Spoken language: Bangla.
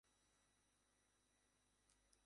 কৌপীনমাত্রেই লজ্জানিবারণ, বাকী কেবল অলঙ্কার।